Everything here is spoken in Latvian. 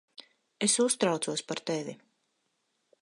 Es uztraucos par tevi.